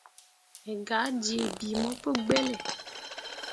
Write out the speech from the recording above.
Me gah jii bii mo pu gbelle.